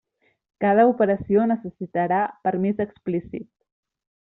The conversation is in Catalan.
Cada operació necessitarà permís explícit.